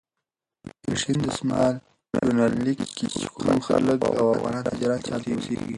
په شین دسمال یونلیک کې چې کوم خلک او افغان تجاران چې هلته اوسېږي.